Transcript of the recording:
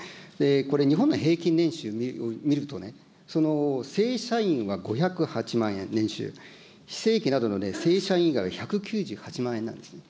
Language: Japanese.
これ、日本の平均年収見るとね、正社員は５０８万円、年収、非正規などの正社員以外は１９８万円なんですよね。